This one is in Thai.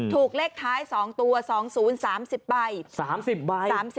ถูกเล็กท้าย๒ตัวสองศูนย์๓๐ใบ